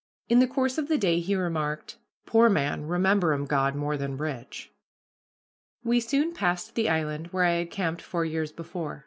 In the course of the day he remarked, "Poor man rememberum God more than rich." We soon passed the island where I had camped four years before.